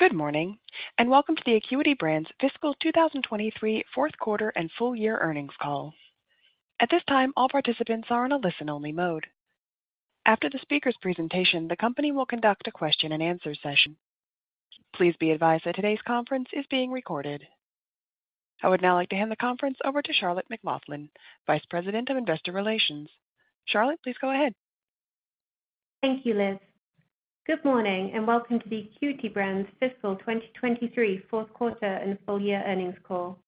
Good morning, and welcome to the Acuity Brands Fiscal 2023 fourth quarter and full year earnings call. At this time, all participants are on a listen-only mode. After the speaker's presentation, the company will conduct a question-and-answer session. Please be advised that today's conference is being recorded. I would now like to hand the conference over to Charlotte McLaughlin, Vice President of Investor Relations. Charlotte, please go ahead. Thank you, Liz. Good morning, and welcome to the Acuity Brands fiscal 2023 fourth quarter and full year earnings call.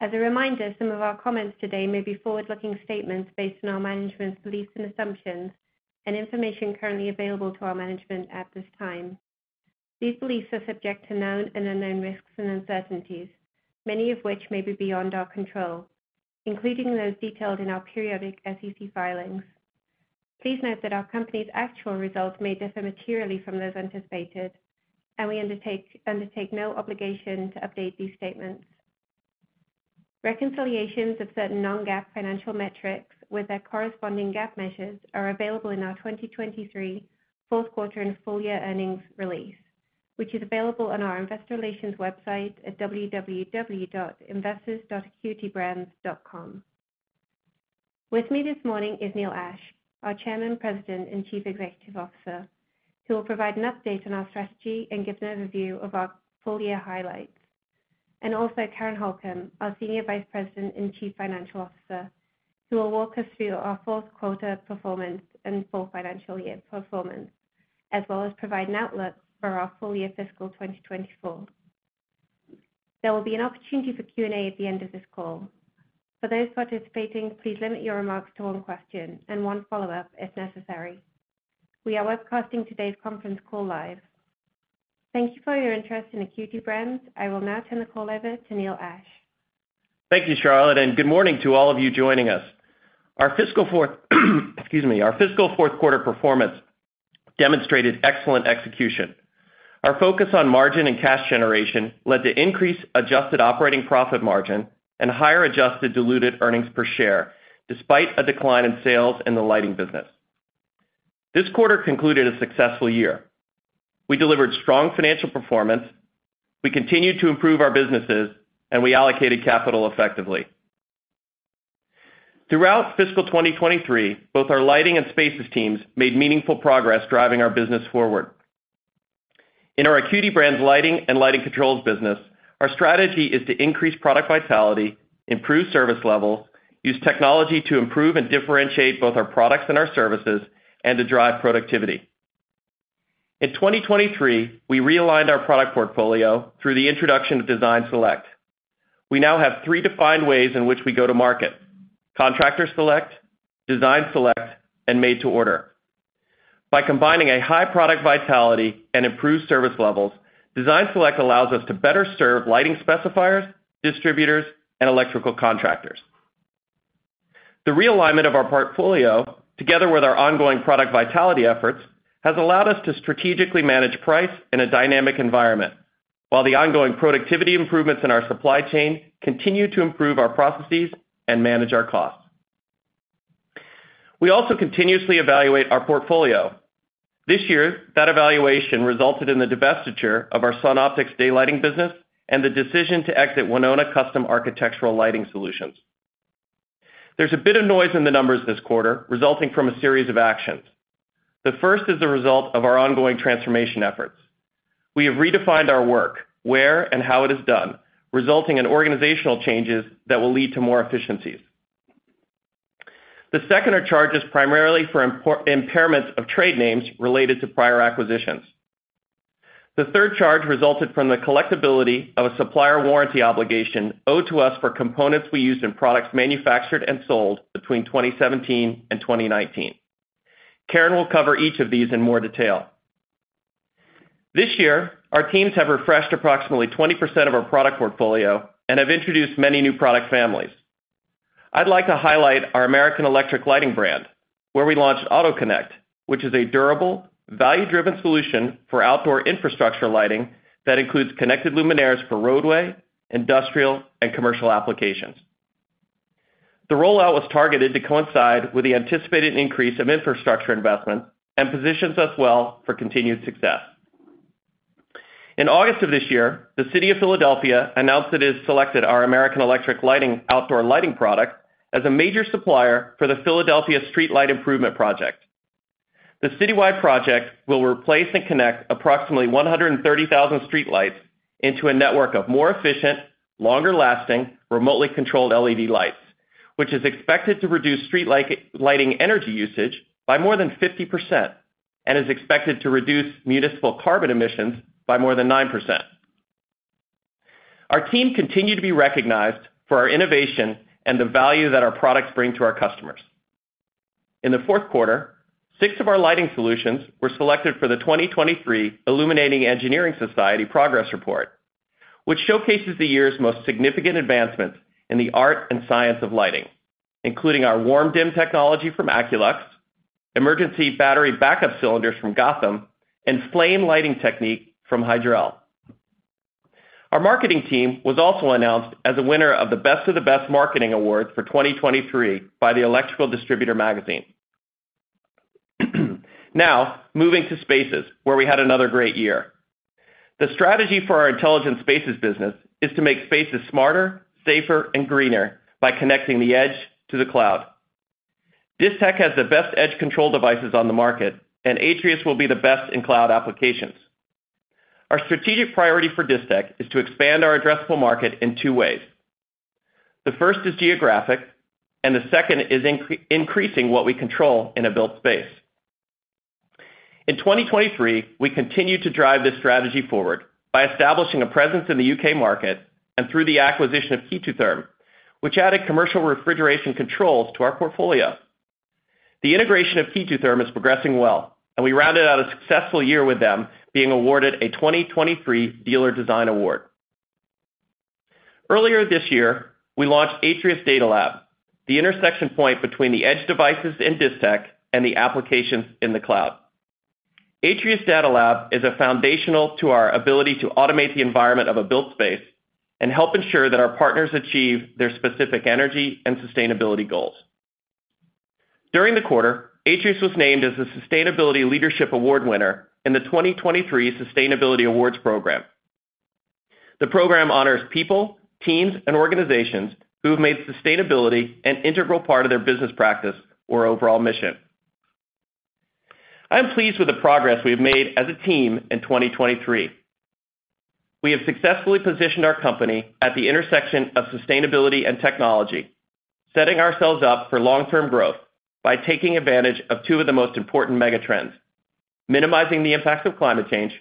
As a reminder, some of our comments today may be forward-looking statements based on our management's beliefs and assumptions and information currently available to our management at this time. These beliefs are subject to known and unknown risks and uncertainties, many of which may be beyond our control, including those detailed in our periodic SEC filings. Please note that our company's actual results may differ materially from those anticipated, and we undertake no obligation to update these statements. Reconciliations of certain non-GAAP financial metrics with their corresponding GAAP measures are available in our 2023 fourth quarter and full year earnings release, which is available on our investor relations website at www.investors.acuityinc.com. With me this morning is Neil Ashe, our Chairman, President, and Chief Executive Officer, who will provide an update on our strategy and give an overview of our full-year highlights. Also Karen Holcom, our Senior Vice President and Chief Financial Officer, who will walk us through our fourth quarter performance and full financial year performance, as well as provide an outlook for our full-year fiscal 2024. There will be an opportunity for Q&A at the end of this call. For those participating, please limit your remarks to one question and one follow-up if necessary. We are webcasting today's conference call live. Thank you for your interest in Acuity Brands. I will now turn the call over to Neil Ashe. Thank you, Charlotte, and good morning to all of you joining us. Our fiscal fourth quarter performance demonstrated excellent execution. Our focus on margin and cash generation led to increased Adjusted Operating Profit Margin and higher Adjusted Diluted Earnings Per Share, despite a decline in sales in the lighting business. This quarter concluded a successful year. We delivered strong financial performance, we continued to improve our businesses, and we allocated capital effectively. Throughout fiscal 2023, both our lighting and spaces teams made meaningful progress driving our business forward. In our Acuity Brands Lighting and lighting controls business, our strategy is to increase Product Vitality, improve service levels, use technology to improve and differentiate both our products and our services, and to drive productivity. In 2023, we realigned our product portfolio through the introduction of Design Select. We now have three defined ways in which we go to market: Contractor Select, Design Select, and Made-to-Order. By combining a high Product Vitality and improved service levels, Design Select allows us to better serve lighting specifiers, distributors, and electrical contractors. The realignment of our portfolio, together with our ongoing Product Vitality efforts, has allowed us to strategically manage price in a dynamic environment, while the ongoing productivity improvements in our supply chain continue to improve our processes and manage our costs. We also continuously evaluate our portfolio. This year, that evaluation resulted in the divestiture of our Sunoptics daylighting business and the decision to exit Winona Custom Architectural Lighting Solutions. There's a bit of noise in the numbers this quarter, resulting from a series of actions. The first is the result of our ongoing transformation efforts. We have redefined our work, where and how it is done, resulting in organizational changes that will lead to more efficiencies. The second are charges primarily for impairments of trade names related to prior acquisitions. The third charge resulted from the collectibility of a supplier warranty obligation owed to us for components we used in products manufactured and sold between 2017 and 2019. Karen will cover each of these in more detail. This year, our teams have refreshed approximately 20% of our product portfolio and have introduced many new product families. I'd like to highlight our American Electric Lighting brand, where we launched AutoConnect, which is a durable, value-driven solution for outdoor infrastructure lighting that includes connected luminaires for roadway, industrial, and commercial applications. The rollout was targeted to coincide with the anticipated increase of infrastructure investment and positions us well for continued success. In August of this year, the City of Philadelphia announced it has selected our American Electric Lighting outdoor lighting product as a major supplier for the Philadelphia Streetlight Improvement Project. The citywide project will replace and connect approximately 130,000 streetlights into a network of more efficient, longer-lasting, remotely controlled LED lights, which is expected to reduce street lighting energy usage by more than 50% and is expected to reduce municipal carbon emissions by more than 9%. Our team continued to be recognized for our innovation and the value that our products bring to our customers. In the fourth quarter, six of our lighting solutions were selected for the 2023 Illuminating Engineering Society Progress Report, which showcases the year's most significant advancements in the art and science of lighting, including our WarmDim technology from Aculux, emergency battery backup cylinders from Gotham, and FLAME lighting technique from Hydrel. Our marketing team was also announced as a winner of the Best of the Best Marketing Award for 2023 by the Electrical Distributor Magazine. Now, moving to Spaces, where we had another great year. The strategy for our Intelligent Spaces business is to make spaces smarter, safer, and greener by connecting the edge to the cloud. Distech has the best edge control devices on the market, and Atrius will be the best in cloud applications. Our strategic priority for Distech is to expand our addressable market in two ways. The first is geographic, and the second is increasing what we control in a built space. In 2023, we continued to drive this strategy forward by establishing a presence in the U.K. market and through the acquisition of KE2 Therm, which added commercial refrigeration controls to our portfolio. The integration of KE2 Therm is progressing well, and we rounded out a successful year with them being awarded a 2023 Dealer Design Award. Earlier this year, we launched Atrius Data Lab, the intersection point between the edge devices in Distech and the applications in the cloud. Atrius Data Lab is a foundational to our ability to automate the environment of a built space and help ensure that our partners achieve their specific energy and sustainability goals. During the quarter, Atrius was named as the Sustainability Leadership Award winner in the 2023 Sustainability Awards program. The program honors people, teams, and organizations who have made sustainability an integral part of their business practice or overall mission. I am pleased with the progress we have made as a team in 2023. We have successfully positioned our company at the intersection of sustainability and technology, setting ourselves up for long-term growth by taking advantage of two of the most important megatrends: minimizing the impacts of climate change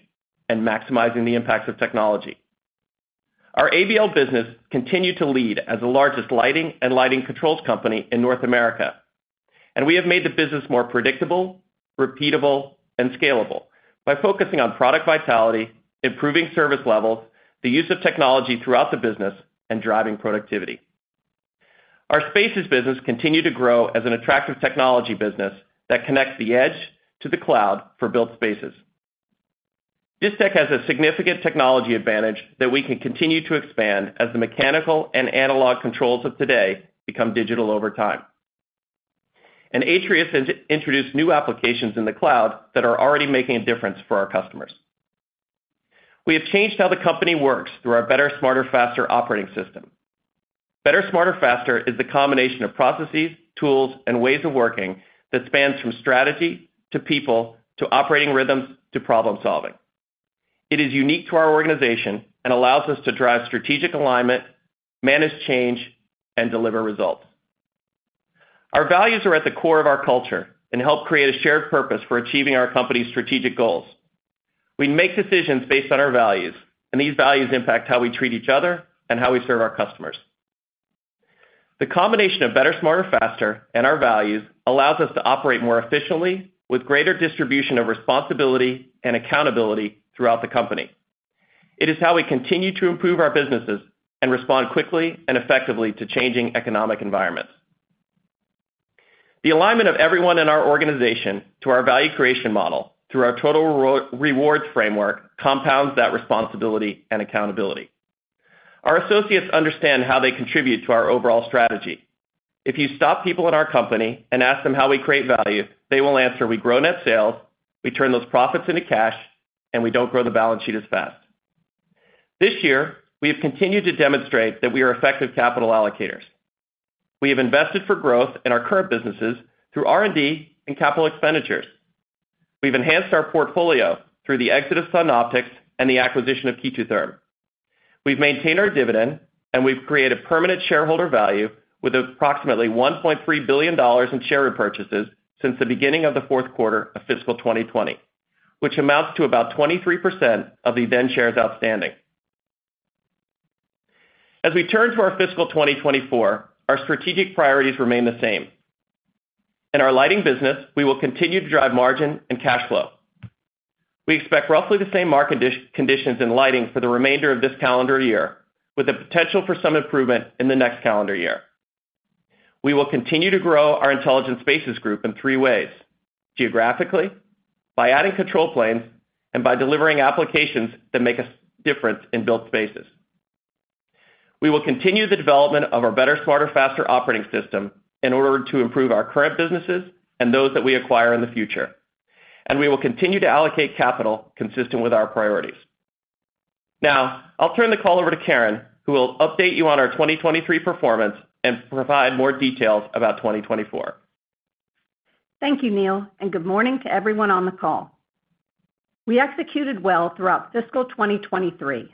and maximizing the impacts of technology. Our ABL business continued to lead as the largest lighting and lighting controls company in North America, and we have made the business more predictable, repeatable, and scalable by focusing on Product Vitality, improving service levels, the use of technology throughout the business, and driving productivity. Our Spaces business continued to grow as an attractive technology business that connects the edge to the cloud for built spaces. Distech has a significant technology advantage that we can continue to expand as the mechanical and analog controls of today become digital over time. Atrius introduced new applications in the cloud that are already making a difference for our customers. We have changed how the company works through our Better Smarter Faster operating system. Better Smarter Faster is the combination of processes, tools, and ways of working that spans from strategy to people, to operating rhythms, to problem-solving. It is unique to our organization and allows us to drive strategic alignment, manage change, and deliver results. Our values are at the core of our culture and help create a shared purpose for achieving our company's strategic goals. We make decisions based on our values, and these values impact how we treat each other and how we serve our customers. The combination of Better, Smarter, Faster and our values allows us to operate more efficiently with greater distribution of responsibility and accountability throughout the company. It is how we continue to improve our businesses and respond quickly and effectively to changing economic environments. The alignment of everyone in our organization to our value creation model, through our total rewards framework, compounds that responsibility and accountability. Our associates understand how they contribute to our overall strategy. If you stop people in our company and ask them how we create value, they will answer: we grow net sales, we turn those profits into cash, and we don't grow the balance sheet as fast. This year, we have continued to demonstrate that we are effective capital allocators. We have invested for growth in our current businesses through R&D and capital expenditures. We've enhanced our portfolio through the exit of Sunoptics and the acquisition of KE2 Therm. We've maintained our dividend, and we've created permanent shareholder value with approximately $1.3 billion in share repurchases since the beginning of the fourth quarter of fiscal 2020, which amounts to about 23% of the then shares outstanding. As we turn to our fiscal 2024, our strategic priorities remain the same. In our lighting business, we will continue to drive margin and cash flow. We expect roughly the same market conditions in lighting for the remainder of this calendar year, with the potential for some improvement in the next calendar year. We will continue to grow our Intelligent Spaces Group in three ways: geographically, by adding control plane, and by delivering applications that make a difference in built spaces. We will continue the development of our Better, Smarter, Faster operating system in order to improve our current businesses and those that we acquire in the future, and we will continue to allocate capital consistent with our priorities. Now, I'll turn the call over to Karen, who will update you on our 2023 performance and provide more details about 2024. Thank you, Neil, and good morning to everyone on the call. We executed well throughout fiscal 2023.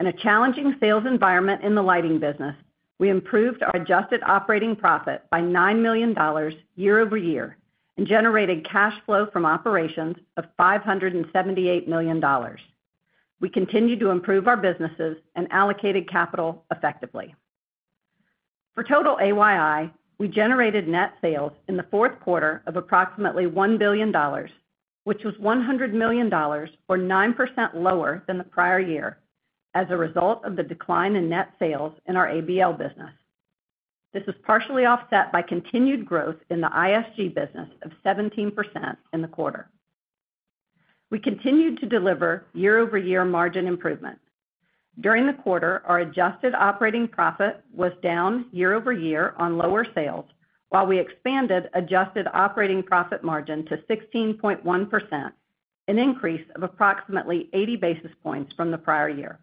In a challenging sales environment in the lighting business, we improved our adjusted operating profit by $9 million year-over-year and generated cash flow from operations of $578 million. We continued to improve our businesses and allocated capital effectively. For total AYI, we generated net sales in the fourth quarter of approximately $1 billion, which was $100 million or 9% lower than the prior year as a result of the decline in net sales in our ABL business. This is partially offset by continued growth in the ISG business of 17% in the quarter. We continued to deliver year-over-year margin improvement. During the quarter, our adjusted operating profit was down year-over-year on lower sales, while we expanded Adjusted Operating Profit Margin to 16.1%, an increase of approximately 80 basis points from the prior year.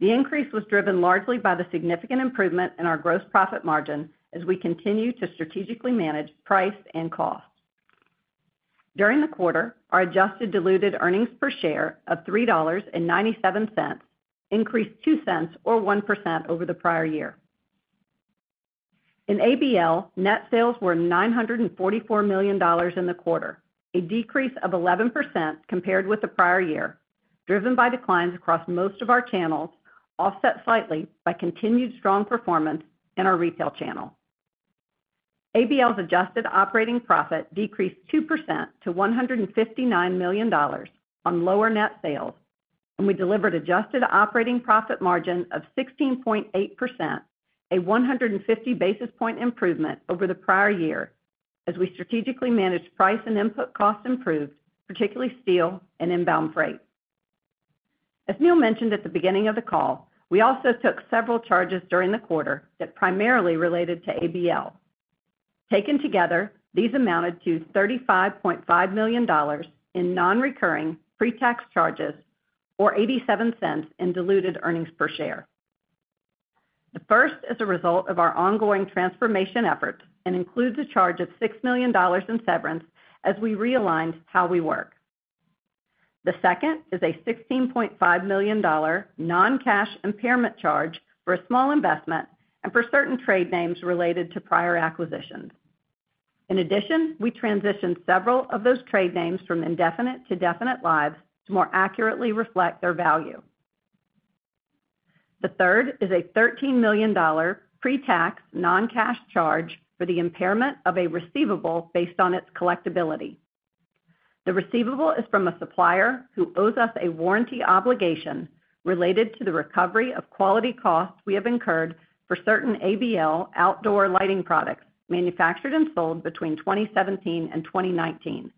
The increase was driven largely by the significant improvement in our gross profit margin as we continue to strategically manage price and cost. During the quarter, our Adjusted Diluted Earnings Per Share of $3.97 increased $0.02, or 1%, over the prior year. In ABL, net sales were $944 million in the quarter, a decrease of 11% compared with the prior year, driven by declines across most of our channels, offset slightly by continued strong performance in our retail channel. ABL's adjusted operating profit decreased 2% to $159 million on lower net sales, and we delivered Adjusted Operating Profit Margin of 16.8%, a 150 basis point improvement over the prior year as we strategically managed price and input costs improved, particularly steel and inbound freight. As Neil mentioned at the beginning of the call, we also took several charges during the quarter that primarily related to ABL. Taken together, these amounted to $35.5 million in nonrecurring pre-tax charges, or $0.87 in diluted earnings per share. The first is a result of our ongoing transformation efforts and includes a charge of $6 million in severance as we realigned how we work. The second is a $16.5 million non-cash impairment charge for a small investment and for certain trade names related to prior acquisitions. In addition, we transitioned several of those trade names from indefinite to definite lives to more accurately reflect their value. The third is a $13 million pre-tax, non-cash charge for the impairment of a receivable based on its collectibility. The receivable is from a supplier who owes us a warranty obligation related to the recovery of quality costs we have incurred for certain ABL outdoor lighting products manufactured and sold between 2017 and 2019.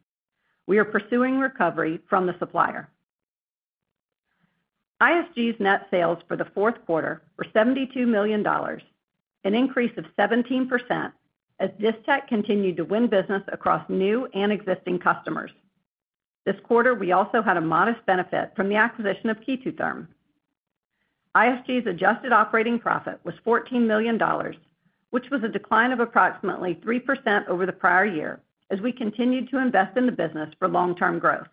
We are pursuing recovery from the supplier. ISG's net sales for the fourth quarter were $72 million, an increase of 17%, as Distech continued to win business across new and existing customers. This quarter, we also had a modest benefit from the acquisition of KE2 Therm. ISG's adjusted operating profit was $14 million, which was a decline of approximately 3% over the prior year as we continued to invest in the business for long-term growth.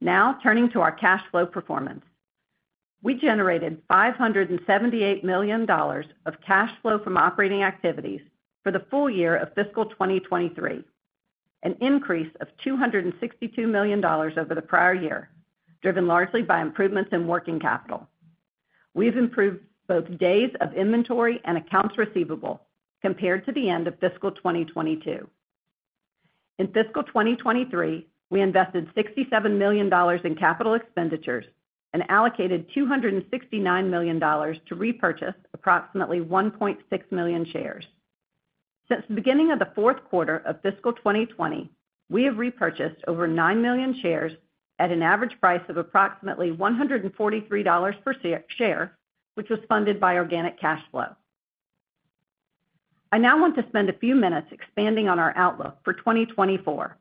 Now, turning to our cash flow performance. We generated $578 million of cash flow from operating activities for the full year of fiscal 2023, an increase of $262 million over the prior year, driven largely by improvements in working capital. We've improved both days of inventory and accounts receivable compared to the end of fiscal 2022. In fiscal 2023, we invested $67 million in capital expenditures and allocated $269 million to repurchase approximately 1.6 million shares. Since the beginning of the fourth quarter of fiscal 2020, we have repurchased over 9 million shares at an average price of approximately $143 per share, which was funded by organic cash flow. I now want to spend a few minutes expanding on our outlook for 2024.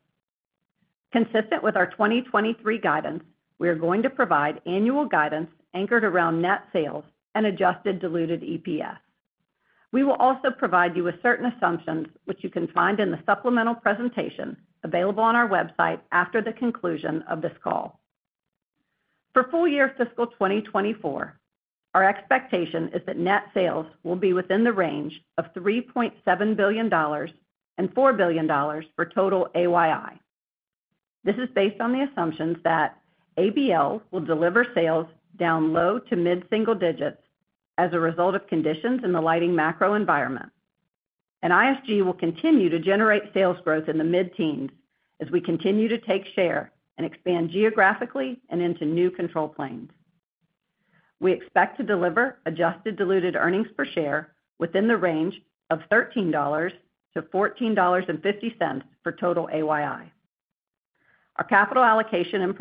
Consistent with our 2023 guidance, we are going to provide annual guidance anchored around net sales and adjusted diluted EPS. We will also provide you with certain assumptions, which you can find in the supplemental presentation available on our website after the conclusion of this call. For full year fiscal 2024, our expectation is that net sales will be within the range of $3.7 billion-$4 billion for total AYI. This is based on the assumptions that ABL will deliver sales down low to mid-single digits as a result of conditions in the lighting macro environment, and ISG will continue to generate sales growth in the mid-teens as we continue to take share and expand geographically and into new control plane. We expect to deliver Adjusted Diluted Earnings Per Share within the range of $13-$14.50 for total AYI. Our capital allocation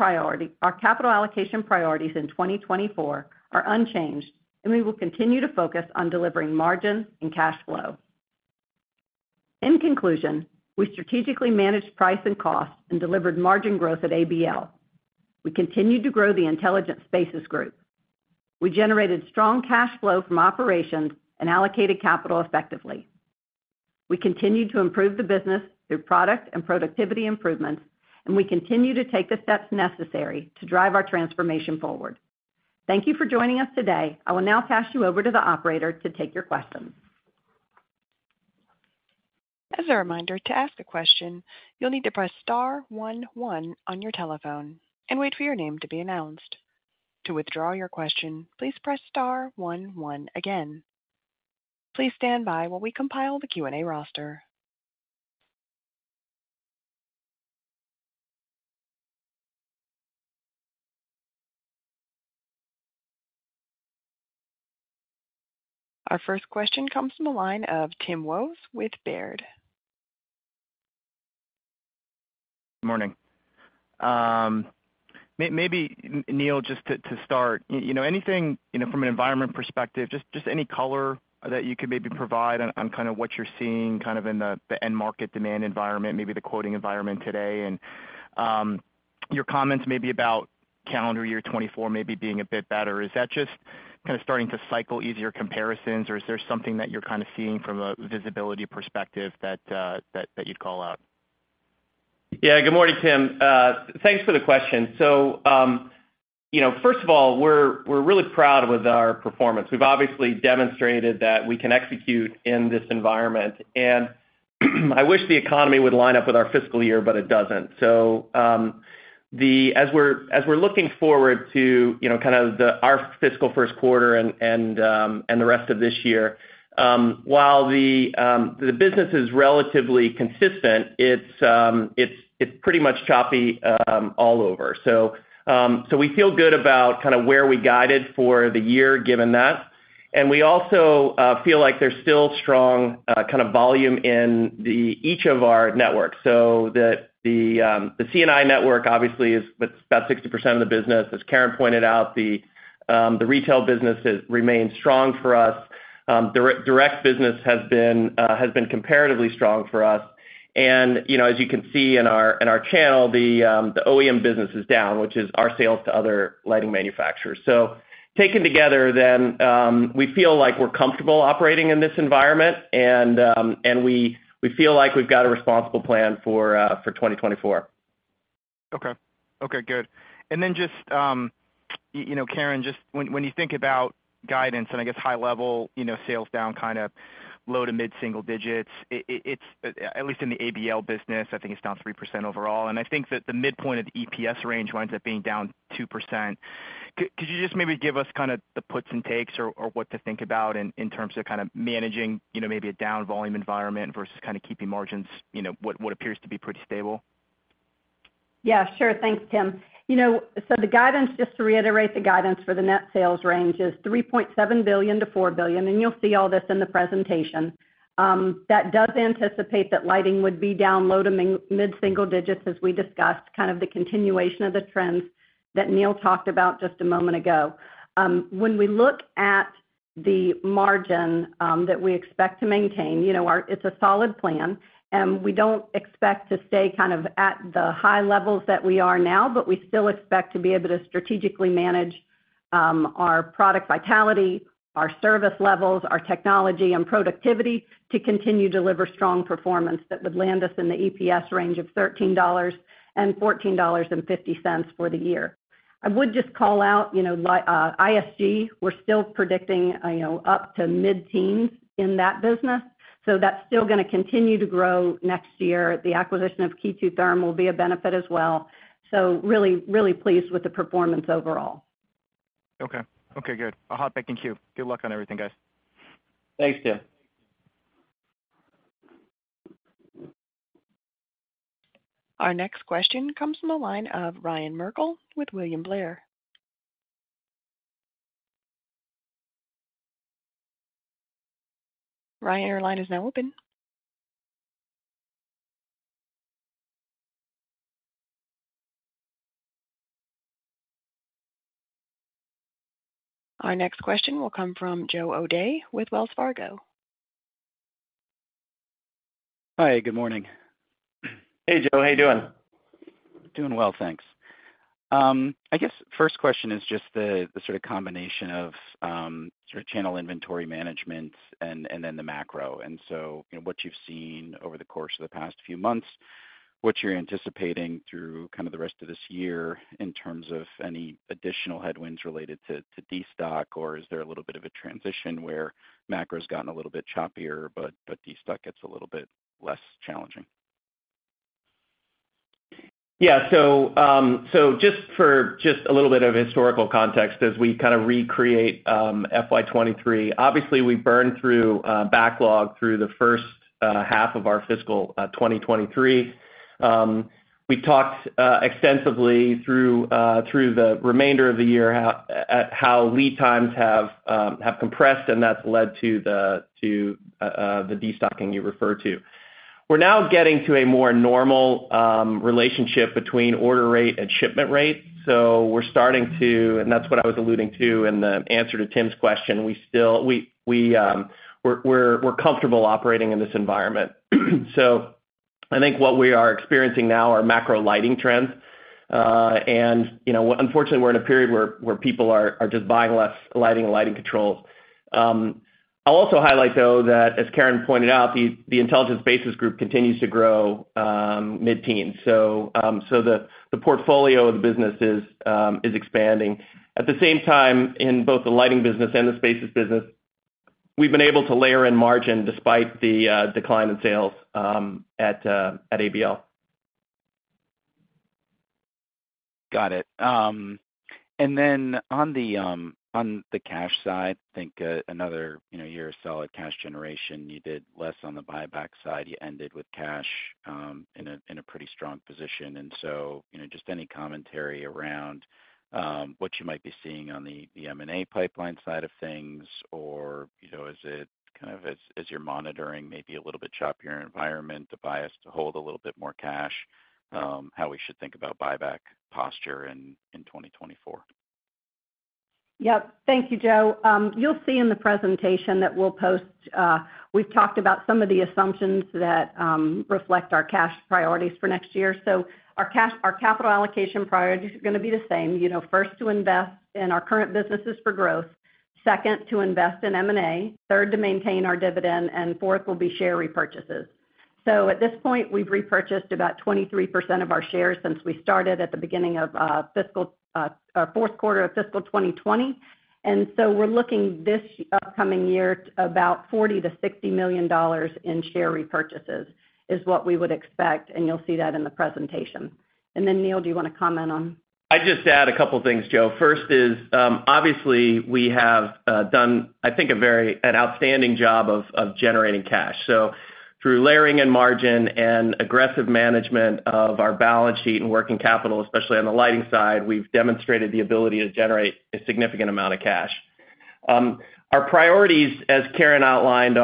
priorities in 2024 are unchanged, and we will continue to focus on delivering margin and cash flow. In conclusion, we strategically managed price and cost and delivered margin growth at ABL. We continued to grow the Intelligent Spaces Group. We generated strong Cash Flow from Operations and allocated capital effectively. We continued to improve the business through product and productivity improvements, and we continue to take the steps necessary to drive our transformation forward. Thank you for joining us today. I will now pass you over to the operator to take your questions. As a reminder, to ask a question, you'll need to press star one one on your telephone and wait for your name to be announced. To withdraw your question, please press star one one again. Please stand by while we compile the Q&A roster. Our first question comes from the line of Tim Wojs with Baird. Morning. Maybe, Neil, just to start, you know, anything, you know, from an environment perspective, just any color that you could maybe provide on kind of what you're seeing kind of in the end market demand environment, maybe the quoting environment today, and your comments maybe about calendar year 2024 maybe being a bit better. Is that just kind of starting to cycle easier comparisons, or is there something that you're kind of seeing from a visibility perspective that that you'd call out? Yeah. Good morning, Tim. Thanks for the question. So, you know, first of all, we're really proud with our performance. We've obviously demonstrated that we can execute in this environment, and I wish the economy would line up with our fiscal year, but it doesn't. So, as we're looking forward to, you know, kind of our fiscal first quarter and the rest of this year, while the business is relatively consistent, it's pretty much choppy all over. So, we feel good about kind of where we guided for the year, given that. And we also feel like there's still strong kind of volume in each of our networks. So the C&I network obviously is about 60% of the business. As Karen pointed out, the retail business has remained strong for us. Direct business has been comparatively strong for us. And, you know, as you can see in our channel, the OEM business is down, which is our sales to other lighting manufacturers. So taken together then, we feel like we're comfortable operating in this environment, and we feel like we've got a responsible plan for 2024. Okay. Okay, good. And then just, you know, Karen, just when you think about guidance and I guess high level, you know, sales down kind of low- to mid-single digits, it, it's at least in the ABL business, I think it's down 3% overall, and I think that the midpoint of the EPS range winds up being down 2%. Could you just maybe give us kind of the puts and takes or, or what to think about in, in terms of kind of managing, you know, maybe a down volume environment versus kind of keeping margins, you know, what, what appears to be pretty stable? Yeah, sure. Thanks, Tim. You know, so the guidance just to reiterate, the guidance for the net sales range is $3.7 billion-$4 billion, and you'll see all this in the presentation. That does anticipate that lighting would be down low to mid-single digits, as we discussed, kind of the continuation of the trends that Neil talked about just a moment ago. When we look at the margin that we expect to maintain, you know, it's a solid plan, and we don't expect to stay kind of at the high levels that we are now, but we still expect to be able to strategically manage our Product Vitality, our service levels, our technology and productivity, to continue to deliver strong performance that would land us in the EPS range of $13-$14.50 for the year. I would just call out, you know, ISG, we're still predicting, you know, up to mid-teens in that business, so that's still gonna continue to grow next year. The acquisition of KE2 Therm will be a benefit as well. So really, really pleased with the performance overall. Okay. Okay, good. I'll hop back in queue. Good luck on everything, guys. Thanks, Tim. Our next question comes from the line of Ryan Merkel with William Blair. Ryan, your line is now open. Our next question will come from Joe O'Dea with Wells Fargo. Hi, good morning. Hey, Joe. How you doing? Doing well, thanks. I guess first question is just the, the sort of combination of, sort of channel inventory management and, and then the macro. And so, you know, what you've seen over the course of the past few months, what you're anticipating through kind of the rest of this year in terms of any additional headwinds related to destock, or is there a little bit of a transition where macro's gotten a little bit choppier, but destock gets a little bit less challenging? Yeah. So, so just for a little bit of historical context as we kind of recreate, FY 2023, obviously, we burned through backlog through the first half of our fiscal 2023. We talked extensively through the remainder of the year, how lead times have compressed, and that's led to the destocking you refer to. We're now getting to a more normal relationship between order rate and shipment rate. So we're starting to and that's what I was alluding to in the answer to Tim's question. We still we, we're comfortable operating in this environment. So I think what we are experiencing now are macro lighting trends. And, you know, unfortunately, we're in a period where people are just buying less lighting and lighting controls. I'll also highlight, though, that, as Karen pointed out, the Intelligent Spaces Group continues to grow mid-teen. So the portfolio of the business is expanding. At the same time, in both the lighting business and the Spaces business, we've been able to layer in margin despite the decline in sales at ABL. Got it. And then on the cash side, I think, another, you know, year of solid cash generation, you did less on the buyback side. You ended with cash, in a, in a pretty strong position. And so, you know, just any commentary around, what you might be seeing on the, the M&A pipeline side of things, or, you know, is it kind of as, as you're monitoring maybe a little bit choppier environment, the bias to hold a little bit more cash, how we should think about buyback posture in 2024? Yeah. Thank you, Joe. You'll see in the presentation that we'll post, we've talked about some of the assumptions that reflect our cash priorities for next year. So our cash, our capital allocation priorities are gonna be the same. You know, first, to invest in our current businesses for growth, second, to invest in M&A, third, to maintain our dividend, and fourth, will be share repurchases. So at this point, we've repurchased about 23% of our shares since we started at the beginning of fiscal fourth quarter of fiscal 2020. And so we're looking this upcoming year, about $40 million-$60 million in share repurchases, is what we would expect, and you'll see that in the presentation. And then, Neil, do you wanna comment on? I'd just add a couple things, Joe. First is, obviously, we have done, I think, an outstanding job of generating cash. So through leveraging and margin and aggressive management of our balance sheet and working capital, especially on the lighting side, we've demonstrated the ability to generate a significant amount of cash. Our priorities, as Karen outlined,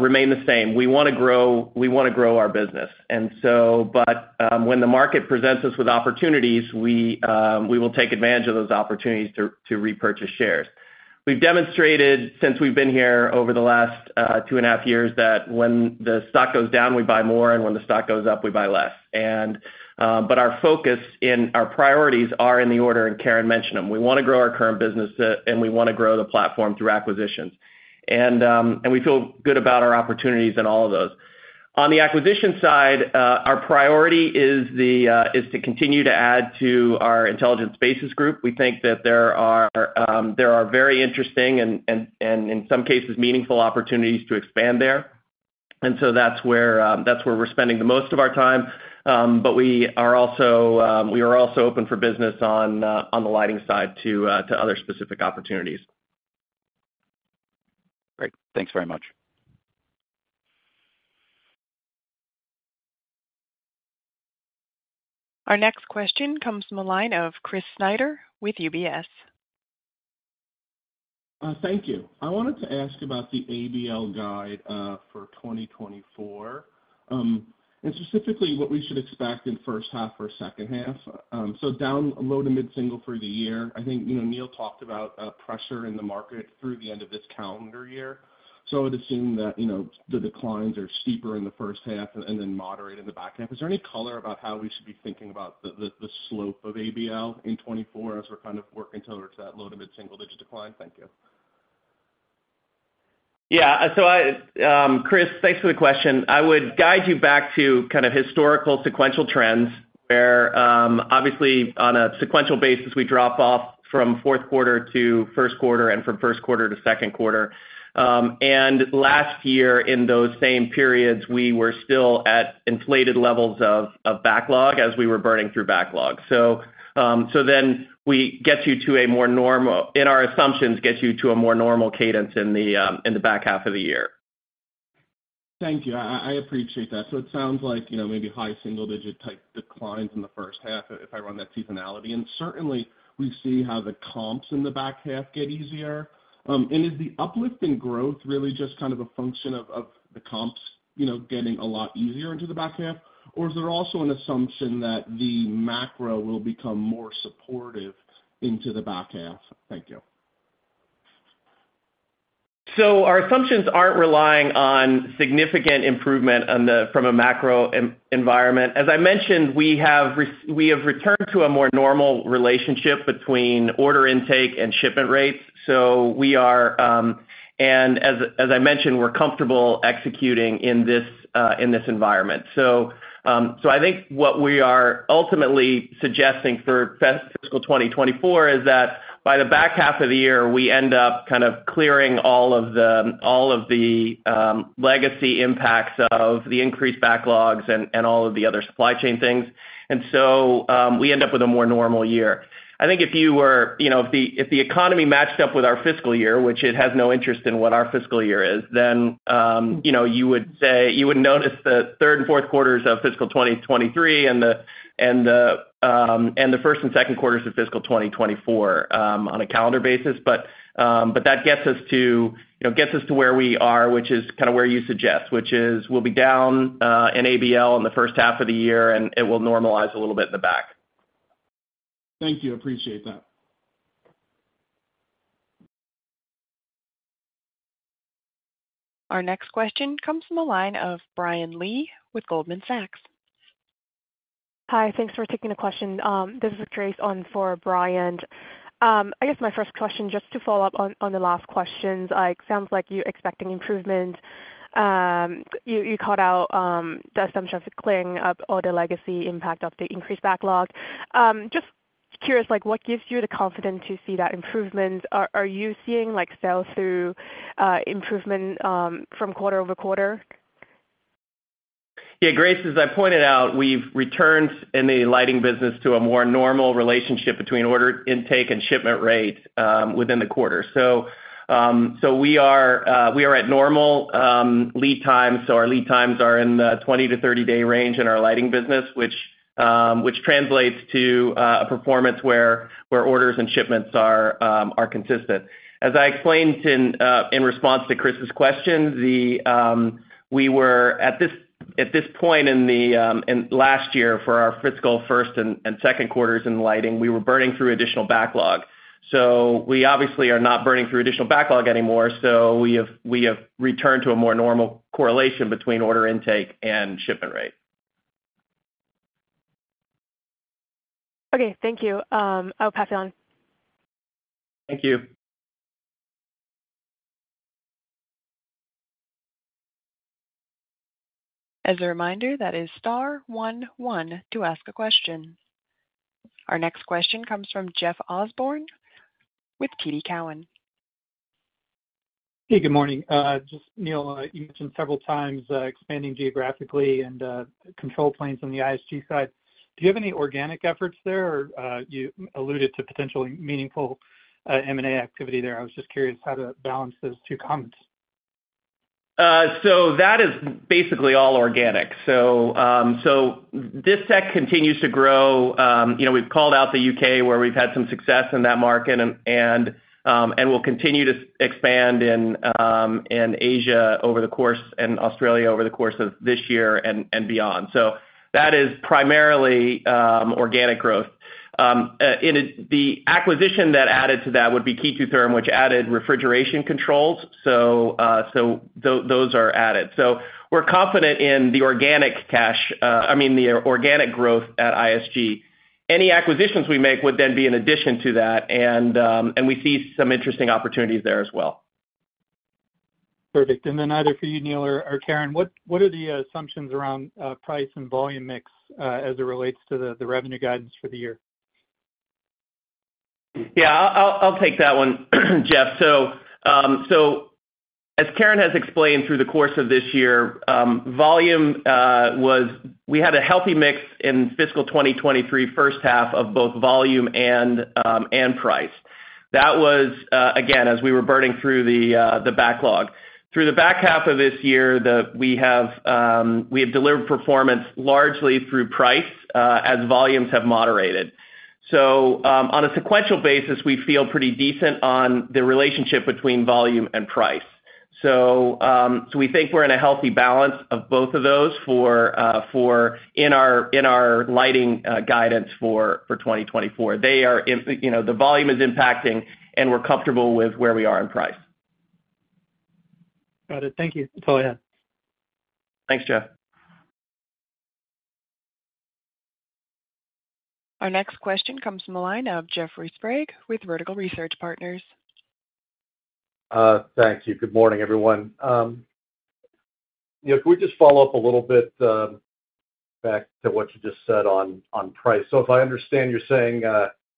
remain the same. We wanna grow, we wanna grow our business. And so, but, when the market presents us with opportunities, we will take advantage of those opportunities to repurchase shares. We've demonstrated, since we've been here over the last two and a half years, that when the stock goes down, we buy more, and when the stock goes up, we buy less. And, but our focus and our priorities are in the order, and Karen mentioned them. We wanna grow our current business, and we wanna grow the platform through acquisitions. We feel good about our opportunities in all of those. On the acquisition side, our priority is to continue to add to our Intelligent Spaces Group. We think that there are very interesting and in some cases, meaningful opportunities to expand there. So that's where we're spending the most of our time. But we are also open for business on the lighting side to other specific opportunities. Great. Thanks very much. Our next question comes from the line of Chris Snyder with UBS. Thank you. I wanted to ask about the ABL guide for 2024, and specifically, what we should expect in first half or second half. So down low to mid-single for the year, I think, you know, Neil talked about pressure in the market through the end of this calendar year. So I'd assume that, you know, the declines are steeper in the first half and then moderate in the back half. Is there any color about how we should be thinking about the slope of ABL in 2024, as we're kind of working towards that low to mid-single-digit decline? Thank you. Yeah, so I, Chris, thanks for the question. I would guide you back to kind of historical sequential trends, where, obviously, on a sequential basis, we drop off from fourth quarter to first quarter and from first quarter to second quarter. Last year, in those same periods, we were still at inflated levels of backlog as we were burning through backlog. So, so then, in our assumptions, we get you to a more normal cadence in the back half of the year. Thank you. I appreciate that. So it sounds like, you know, maybe high single digit type declines in the first half if I run that seasonality. And certainly, we see how the comps in the back half get easier. And is the uplift in growth really just kind of a function of the comps, you know, getting a lot easier into the back half? Or is there also an assumption that the macro will become more supportive into the back half? Thank you. So our assumptions aren't relying on significant improvement from a macro environment. As I mentioned, we have returned to a more normal relationship between order intake and shipment rates. So we are, and as I mentioned, we're comfortable executing in this environment. So I think what we are ultimately suggesting for fiscal 2024 is that by the back half of the year, we end up kind of clearing all of the legacy impacts of the increased backlogs and all of the other supply chain things. And so we end up with a more normal year. I think if you were, you know, if the economy matched up with our fiscal year, which it has no interest in what our fiscal year is, then, you know, you would say you would notice the third and fourth quarters of fiscal 2023 and the first and second quarters of fiscal 2024, on a calendar basis. But, but that gets us to, you know, gets us to where we are, which is kind of where you suggest, which is we'll be down, in ABL in the first half of the year, and it will normalize a little bit in the back. Thank you. Appreciate that. Our next question comes from the line of Brian Lee with Goldman Sachs. Hi, thanks for taking the question. This is Grace on for Brian. I guess my first question, just to follow up on the last questions, like, sounds like you're expecting improvement. You called out the assumption of clearing up all the legacy impact of the increased backlog. Just curious, like, what gives you the confidence to see that improvement? Are you seeing, like, sell-through improvement from quarter-over-quarter? Yeah, Grace, as I pointed out, we've returned in the lighting business to a more normal relationship between order intake and shipment rates, within the quarter. So, so we are, we are at normal, lead times. So our lead times are in the 20 day-30 day range in our lighting business, which, which translates to, a performance where, where orders and shipments are, are consistent. As I explained in, in response to Chris's question, the, we were at this, at this point in the, in last year for our fiscal first and, and second quarters in lighting, we were burning through additional backlog. So we obviously are not burning through additional backlog anymore, so we have, we have returned to a more normal correlation between order intake and shipment rate. Okay, thank you. I'll pass it on. Thank you. As a reminder, that is star one, one to ask a question. Our next question comes from Jeff Osborne with Cowen. Hey, good morning. Just Neil, you mentioned several times, expanding geographically and control plane on the ISG side. Do you have any organic efforts there? Or, you alluded to potential meaningful, M&A activity there. I was just curious how to balance those two comments. So that is basically all organic. So, so Distech continues to grow. You know, we've called out the U.K., where we've had some success in that market, and, and we'll continue to expand in, in Asia over the course, and Australia over the course of this year and, and beyond. So that is primarily, organic growth. And it the acquisition that added to that would be KE2 Therm, which added refrigeration controls. So, so those are added. So we're confident in the organic cash, I mean, the organic growth at ISG. Any acquisitions we make would then be in addition to that, and, and we see some interesting opportunities there as well. Perfect. Then either for you, Neil, or Karen, what are the assumptions around price and volume mix as it relates to the revenue guidance for the year? Yeah, I'll, I'll take that one, Jeff. So, so as Karen has explained through the course of this year, volume, was we had a healthy mix in fiscal 2023, first half of both volume and, and price. That was, again, as we were burning through the, the backlog. Through the back half of this year, we have, we have delivered performance largely through price, as volumes have moderated. So, on a sequential basis, we feel pretty decent on the relationship between volume and price. So, so we think we're in a healthy balance of both of those for, for in our, in our lighting, guidance for, for 2024. They are im you know, the volume is impacting, and we're comfortable with where we are in price. Got it. Thank you. Oh, yeah. Thanks, Jeff. Our next question comes from the line of Jeffrey Sprague, with Vertical Research Partners. Thank you. Good morning, everyone. If we just follow up a little bit, back to what you just said on, on price. So if I understand, you're saying,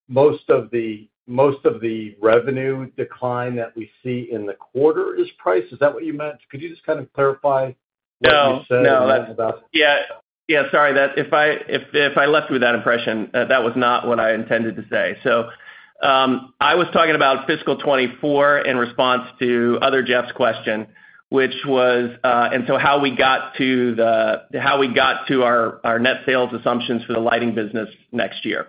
most of the, most of the revenue decline that we see in the quarter is price. Is that what you meant? Could you just kind of clarify what you said about- No, no. Yeah, yeah, sorry, that if I left you with that impression, that was not what I intended to say. So, I was talking about fiscal 2024 in response to other Jeff's question, which was, and so how we got to our net sales assumptions for the lighting business next year.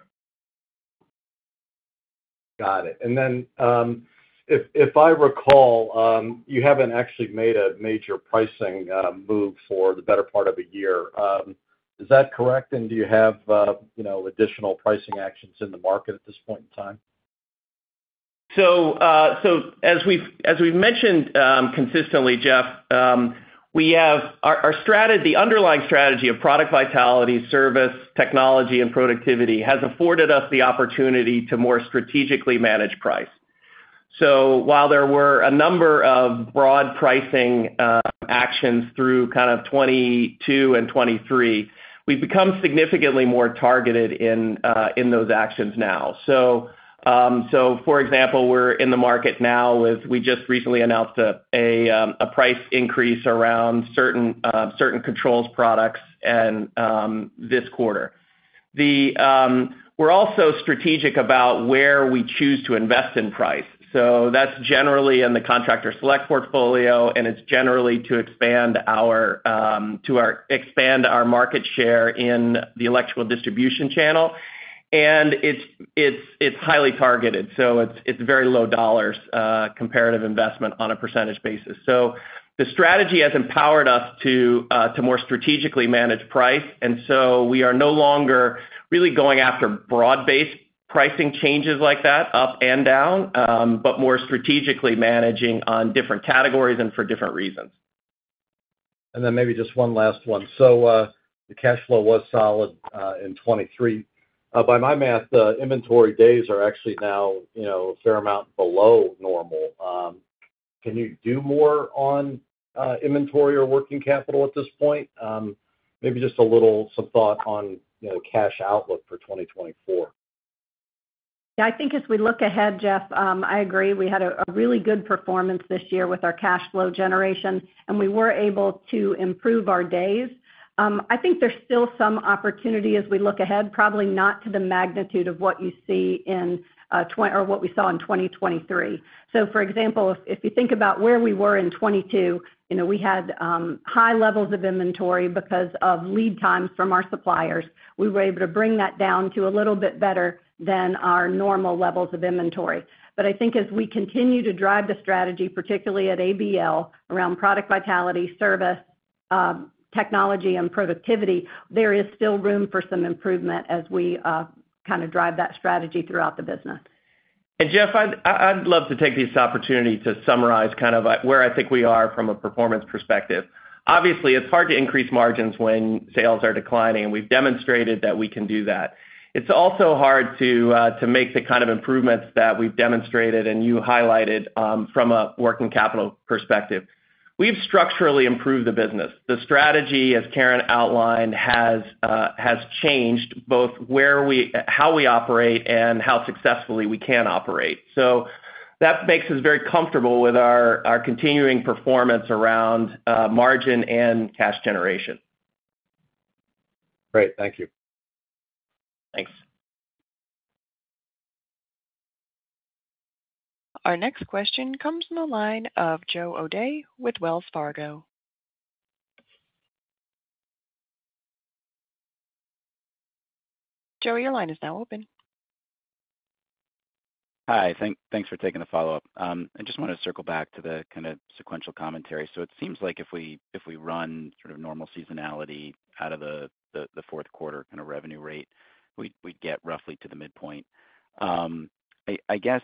Got it. And then, if I recall, you haven't actually made a major pricing move for the better part of the year. Is that correct? And do you have, you know, additional pricing actions in the market at this point in time? So as we've mentioned consistently, Jeff, we have our underlying strategy of Product Vitality, service, technology, and productivity has afforded us the opportunity to more strategically manage price. So while there were a number of broad pricing actions through kind of 2022 and 2023, we've become significantly more targeted in those actions now. So for example, we're in the market now with we just recently announced a price increase around certain controls products and this quarter. We're also strategic about where we choose to invest in price. So that's generally in the Contractor Select portfolio, and it's generally to expand our market share in the electrical distribution channel. It's highly targeted, so it's very low dollars, comparative investment on a percentage basis. The strategy has empowered us to more strategically manage price, and so we are no longer really going after broad-based pricing changes like that, up and down, but more strategically managing on different categories and for different reasons. And then maybe just one last one. So, the cash flow was solid in 2023. By my math, the inventory days are actually now, you know, a fair amount below normal. Can you do more on inventory or working capital at this point? Maybe just a little, some thought on, you know, cash outlook for 2024. Yeah, I think as we look ahead, Jeff, I agree, we had a really good performance this year with our cash flow generation, and we were able to improve our days. I think there's still some opportunity as we look ahead, probably not to the magnitude of what you see in, or what we saw in 2023. So for example, if you think about where we were in 2022, you know, we had high levels of inventory because of lead times from our suppliers. We were able to bring that down to a little bit better than our normal levels of inventory. But I think as we continue to drive the strategy, particularly at ABL, around Product Vitality, service, technology, and productivity, there is still room for some improvement as we kind of drive that strategy throughout the business. And Jeff, I'd love to take this opportunity to summarize kind of where I think we are from a performance perspective. Obviously, it's hard to increase margins when sales are declining, and we've demonstrated that we can do that. It's also hard to make the kind of improvements that we've demonstrated and you highlighted from a working capital perspective. We've structurally improved the business. The strategy, as Karen outlined, has changed both how we operate and how successfully we can operate. So that makes us very comfortable with our continuing performance around margin and cash generation. Great. Thank you. Thanks. Our next question comes from the line of Joe O'Dea with Wells Fargo. Joe, your line is now open. Hi, thanks for taking the follow-up. I just want to circle back to the kind of sequential commentary. So it seems like if we run sort of normal seasonality out of the fourth quarter kind of revenue rate, we'd get roughly to the midpoint. I guess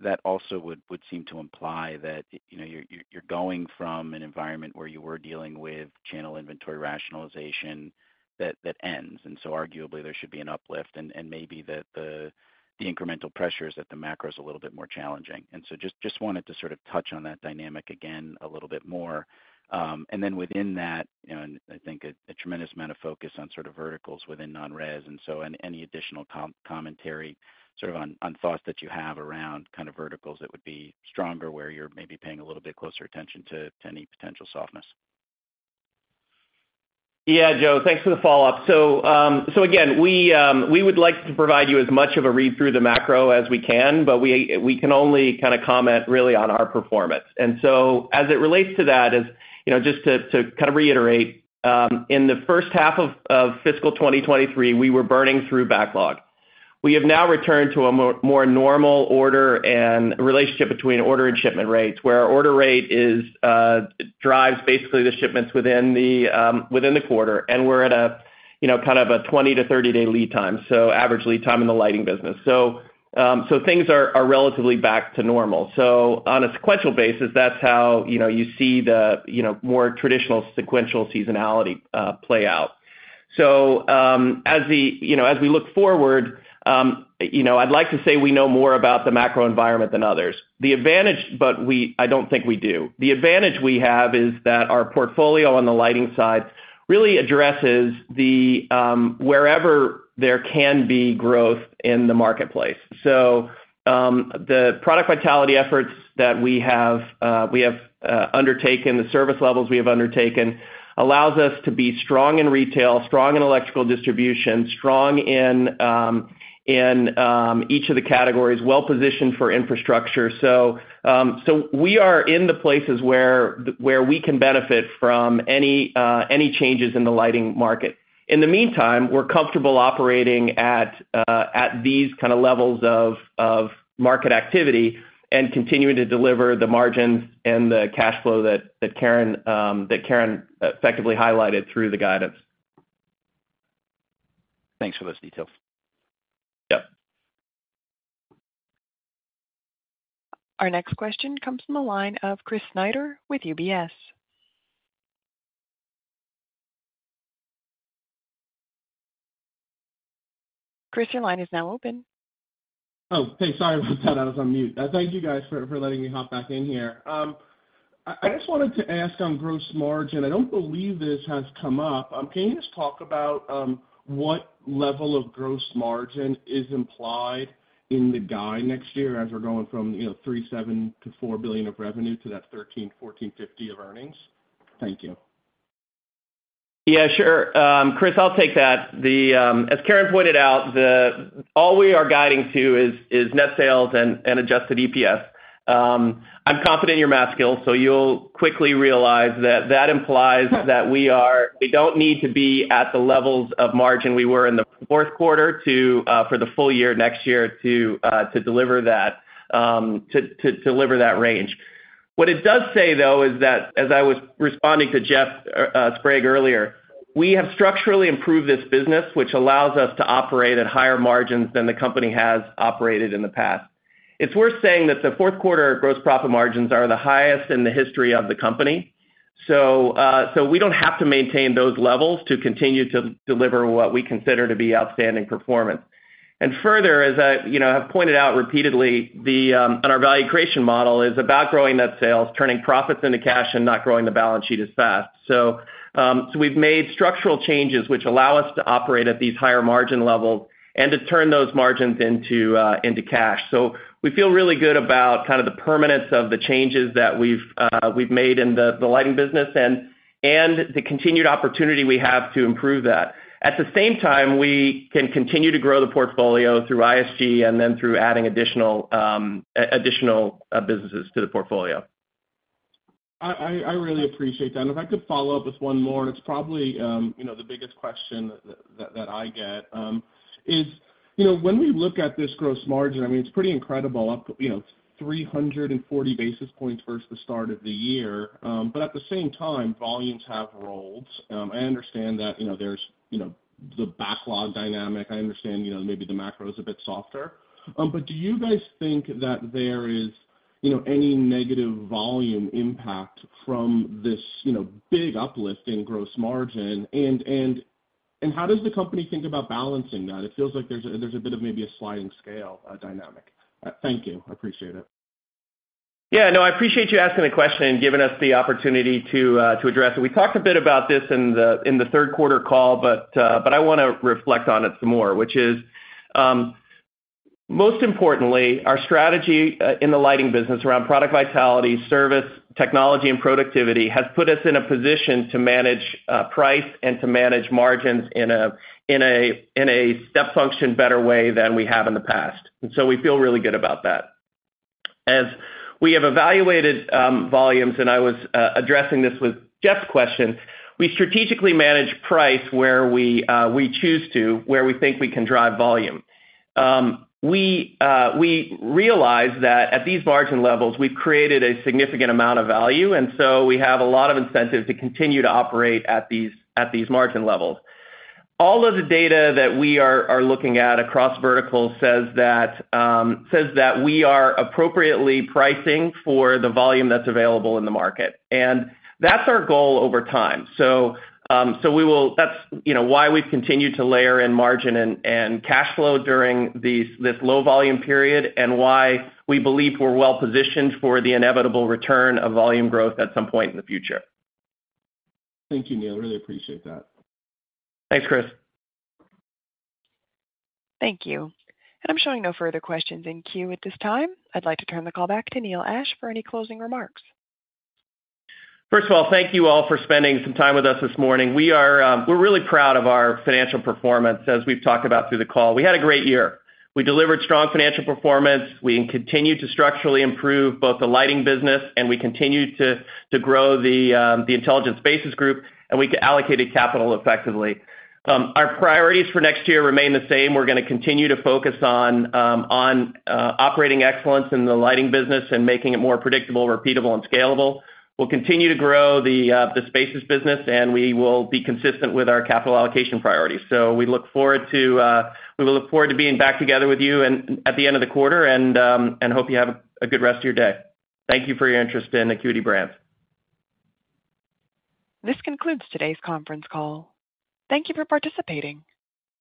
that also would seem to imply that, you know, you're going from an environment where you were dealing with channel inventory rationalization that ends. And so arguably, there should be an uplift and maybe the incremental pressures at the macro is a little bit more challenging. And so just wanted to sort of touch on that dynamic again a little bit more. And then within that, you know, and I think a tremendous amount of focus on sort of verticals within non-res, and so any additional commentary sort of on thoughts that you have around kind of verticals that would be stronger, where you're maybe paying a little bit closer attention to any potential softness. Yeah, Joe, thanks for the follow-up. So, again, we would like to provide you as much of a read through the macro as we can, but we can only kind of comment really on our performance. And so as it relates to that, as you know, just to kind of reiterate, in the first half of fiscal 2023, we were burning through backlog. We have now returned to a more normal order and relationship between order and shipment rates, where our order rate drives basically the shipments within the quarter, and we're at a, you know, kind of a 20 day-30 day lead time, so average lead time in the lighting business. So, things are relatively back to normal. So on a sequential basis, that's how, you know, you see the, you know, more traditional sequential seasonality play out. So, as we look forward, you know, I'd like to say we know more about the macro environment than others. The advantage, but we I don't think we do. The advantage we have is that our portfolio on the lighting side really addresses the, wherever there can be growth in the marketplace. So, the Product Vitality efforts that we have, we have, undertaken, the service levels we have undertaken, allows us to be strong in retail, strong in electrical distribution, strong in, in, each of the categories, well-positioned for infrastructure. So, so we are in the places where, where we can benefit from any, any changes in the lighting market. In the meantime, we're comfortable operating at these kind of levels of market activity and continuing to deliver the margins and the cash flow that Karen effectively highlighted through the guidance. Thanks for those details. Yep. Our next question comes from the line of Chris Snyder with UBS. Chris, your line is now open. Oh, hey, sorry about that. I was on mute. Thank you, guys, for letting me hop back in here. I just wanted to ask on gross margin. I don't believe this has come up. Can you just talk about what level of gross margin is implied in the guide next year as we're going from, you know, $3.7 billion-$4 billion of revenue to that $13-$14.50 of earnings? Thank you. Yeah, sure. Chris, I'll take that. The, as Karen pointed out, the, all we are guiding to is net sales and adjusted EPS. I'm confident in your math skills, so you'll quickly realize that that implies that we are, we don't need to be at the levels of margin we were in the fourth quarter to, for the full year next year to, to deliver that, to deliver that range. What it does say, though, is that, as I was responding to Jeff Sprague earlier, we have structurally improved this business, which allows us to operate at higher margins than the company has operated in the past. It's worth saying that the fourth quarter gross profit margins are the highest in the history of the company. So, we don't have to maintain those levels to continue to deliver what we consider to be outstanding performance. And further, as I, you know, have pointed out repeatedly, the on our value creation model is about growing net sales, turning profits into cash, and not growing the balance sheet as fast. So, we've made structural changes which allow us to operate at these higher margin levels and to turn those margins into cash. So we feel really good about kind of the permanence of the changes that we've made in the lighting business and the continued opportunity we have to improve that. At the same time, we can continue to grow the portfolio through ISG and then through adding additional businesses to the portfolio. I really appreciate that. And if I could follow up with one more, and it's probably, you know, the biggest question that I get, is, you know, when we look at this gross margin, I mean, it's pretty incredible, up, you know, 340 basis points versus the start of the year. But at the same time, volumes have rolled. I understand that, you know, there's, you know, the backlog dynamic. I understand, you know, maybe the macro is a bit softer. But do you guys think that there is, you know, any negative volume impact from this, you know, big uplift in gross margin? And how does the company think about balancing that? It feels like there's a bit of maybe a sliding scale dynamic. Thank you. I appreciate it. Yeah, no, I appreciate you asking the question and giving us the opportunity to to address it. We talked a bit about this in the third quarter call, but I wanna reflect on it some more, which is most importantly, our strategy in the lighting business around Product Vitality, service, technology, and productivity, has put us in a position to manage price and to manage margins in a step function better way than we have in the past, and so we feel really good about that. As we have evaluated volumes, and I was addressing this with Jeff's question, we strategically manage price where we choose to, where we think we can drive volume. We realize that at these margin levels, we've created a significant amount of value, and so we have a lot of incentive to continue to operate at these margin levels. All of the data that we are looking at across verticals says that we are appropriately pricing for the volume that's available in the market, and that's our goal over time. So we will. That's, you know, why we've continued to layer in margin and cash flow during this low volume period, and why we believe we're well positioned for the inevitable return of volume growth at some point in the future. Thank you, Neil. I really appreciate that. Thanks, Chris. Thank you. I'm showing no further questions in queue at this time. I'd like to turn the call back to Neil Ashe for any closing remarks. First of all, thank you all for spending some time with us this morning. We are, we're really proud of our financial performance, as we've talked about through the call. We had a great year. We delivered strong financial performance. We continued to structurally improve both the lighting business, and we continued to grow the Intelligent Spaces Group, and we allocated capital effectively. Our priorities for next year remain the same. We're gonna continue to focus on operating excellence in the lighting business and making it more predictable, repeatable, and scalable. We'll continue to grow the Spaces business, and we will be consistent with our capital allocation priorities. We look forward to being back together with you and at the end of the quarter, and hope you have a good rest of your day. Thank you for your interest in Acuity Brands. This concludes today's conference call. Thank you for participating.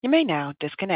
You may now disconnect.